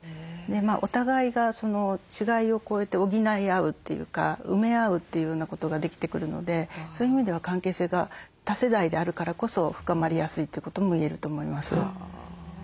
お互いが違いを超えて補い合うというか埋め合うというようなことができてくるのでそういう意味では関係性が多世代であるからこそ深まりやすいということも言えると思います。